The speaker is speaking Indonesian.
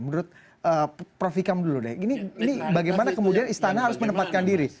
menurut prof ikam dulu deh ini bagaimana kemudian istana harus menempatkan diri